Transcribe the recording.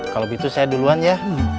kalau gitu saya duluan ya